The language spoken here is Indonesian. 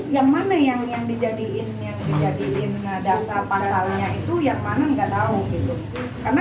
yang mana yang yang dijadiin yang dijadiin dengan dasar pasalnya itu yang mana nggak tahu gitu karena